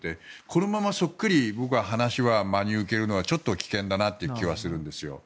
このままそっくり僕は話を真に受けるのはちょっと危険だなという気はするんですよ。